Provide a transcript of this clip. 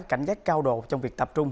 cảnh giác cao độ trong việc tập trung